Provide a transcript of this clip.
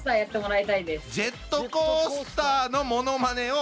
ジェットコースターのものまねを。